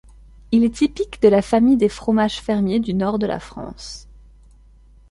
Il est typique de la famille des fromages fermiers du nord de la France.